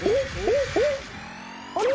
あれ？